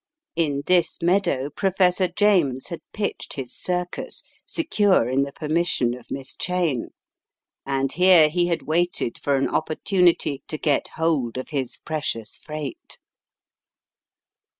In this meadow Professor James had pitched his circus, secure in the permission of "Miss Cheyne," and here he had waited for an opportunity to get hold of his precious freight.